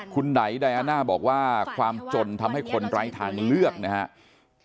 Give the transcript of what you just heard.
คุณไหนไดอาน่าบอกว่าความจนทำให้คนไร้ทางเลือกนะครับ